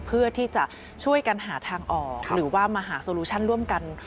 เพื่อที่จะช่วยกันหาทางออกหรือว่ามาหาโซลูชั่นร่วมกัน